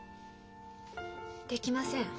できません。